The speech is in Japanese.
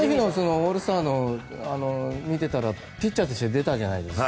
オールスター見てたらピッチャーとして出たじゃないですか。